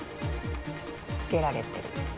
つけられてる。